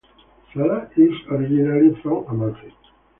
Sala is originally from Amalfi.